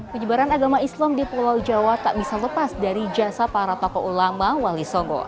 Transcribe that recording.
penyebaran agama islam di pulau jawa tak bisa lepas dari jasa para tokoh ulama wali songo